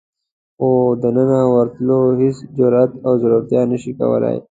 خو دننه ورتلو هېڅ جرئت او زړورتیا نشي کولای.